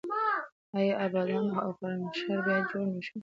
آیا ابادان او خرمشهر بیا جوړ نه شول؟